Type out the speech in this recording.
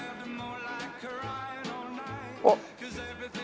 あっ。